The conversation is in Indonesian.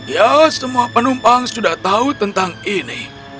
ya semua penumpang sudah tahu tentang ini